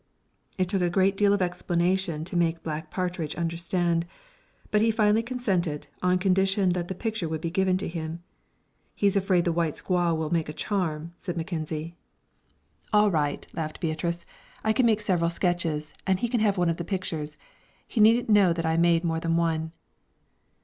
It took a great deal of explanation to make Black Partridge understand, but he finally consented, on condition that the picture would be given to him. "He's afraid the white squaw will make a charm," said Mackenzie. "All right," laughed Beatrice. "I can make several sketches, and he can have one of the pictures. He needn't know I make more than one."